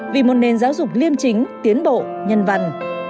vì một nền giáo dục liêm chính tiến bộ nhân văn